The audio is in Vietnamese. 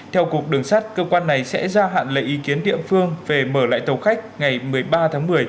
theo cục đường sắt cơ quan này sẽ ra hạn lời ý kiến địa phương về mở lại tàu khách ngày một mươi ba tháng một mươi